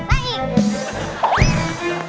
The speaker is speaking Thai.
อ้าาาา